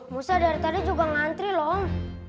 musa dari tadi juga ngantri loh